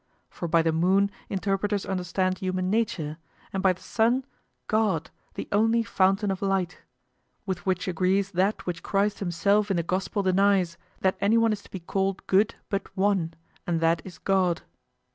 For by the moon interpreters understand human nature, and by the sun, God, the only fountain of light; with which agrees that which Christ himself in the Gospel denies, that anyone is to be called good but one, and that is God.